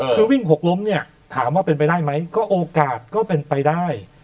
คือวิ่งหกล้มเนี่ยถามว่าเป็นไปได้ไหมก็โอกาสก็เป็นไปได้